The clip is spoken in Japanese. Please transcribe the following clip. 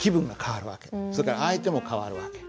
それから相手も変わる訳。